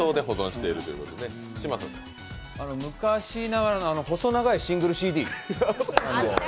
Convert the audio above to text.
昔ながらの細長いシングルＣＤ。